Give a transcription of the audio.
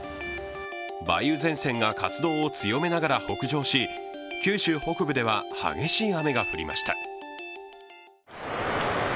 梅雨前線が活動を強めながら北上し、九州北部では激しい雨が降りました。